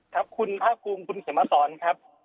ครับคุณพระคุมคุณเขมมาสอนครับ